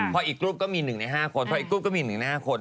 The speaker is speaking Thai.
พออีกกรุ๊ปก็มี๑ใน๕คน